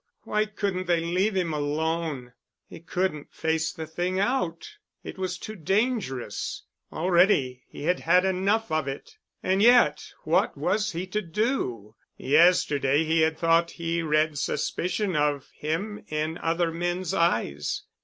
Why couldn't they leave him alone? He couldn't face the thing out. It was too dangerous. Already he had had enough of it. And yet what was he to do? Yesterday he had thought he read suspicion of him in other men's eyes.